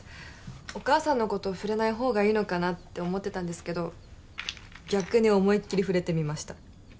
お母さんの事触れないほうがいいのかなって思ってたんですけど逆に思いっきり触れてみました。